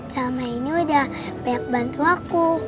selama ini udah banyak bantu aku